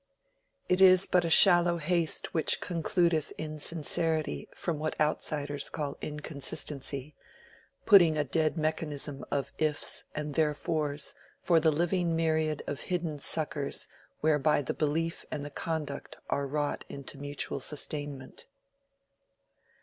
It is but a shallow haste which concludeth insincerity from what outsiders call inconsistency—putting a dead mechanism of "ifs" and "therefores" for the living myriad of hidden suckers whereby the belief and the conduct are wrought into mutual sustainment.